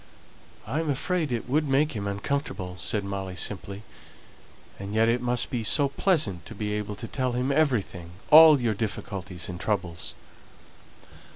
"I am afraid it would make him uncomfortable," said Molly, simply. "And yet it must be so pleasant to be able to tell him everything all your difficulties and troubles."